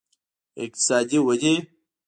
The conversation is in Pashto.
اقتصادي ودې